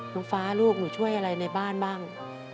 น้องฟ้าลูกหนูช่วยอะไรในบ้านบ้าง